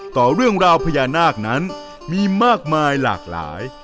ต่อเรื่องราวพญานาคนั้นมีมากมายหลากหลาย